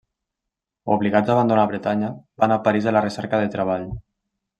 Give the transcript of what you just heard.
Obligats a abandonar Bretanya, van a París a la recerca de treball.